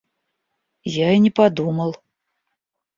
Я и не подумал.